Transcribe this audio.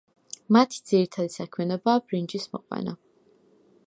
მათი ძირითადი საქმიანობაა ბრინჯის მოყვანა.